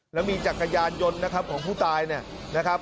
แล้วมีจักรยานยนต์นะครับของผู้ตายเนี่ยนะครับ